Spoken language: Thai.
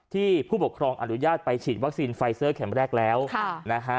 ผู้ปกครองอนุญาตไปฉีดวัคซีนไฟเซอร์เข็มแรกแล้วนะฮะ